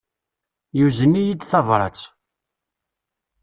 Yuzen-iyi-d tabrat.